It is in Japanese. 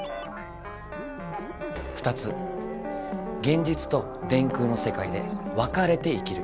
２つ「現実」と「電空」のせかいでわかれて生きる。